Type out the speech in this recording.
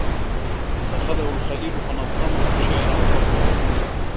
فَأَخَذَهُ الْخَلِيلُ فَنَظَّمَهُ شَعْرًا فَقَالَ